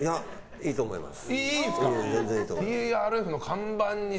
いいと思います。